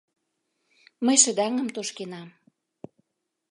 Мый шыдаҥым тошкенам.